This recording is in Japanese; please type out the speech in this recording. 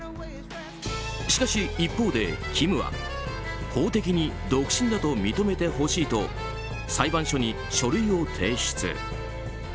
しかし一方でキムは法的に独身だと認めてほしいと裁判所に書類を提出。